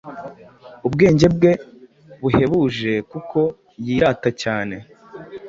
Ubwenge bwe buhebuje, kuko yirata cyane